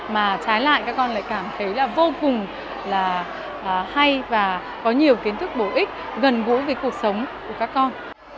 mà trái lại các con lại cảm thấy là vô cùng là hay và có nhiều kiến thức bổ ích gần gũi với cuộc sống của các con